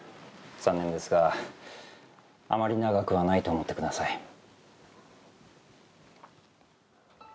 残念ですがあまり長くはないと思ってください。